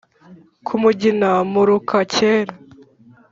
ku mugina, muruka kera